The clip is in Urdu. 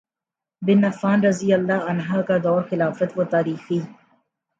بن عفان رضی اللہ عنہ کا دور خلافت وہ تاریخی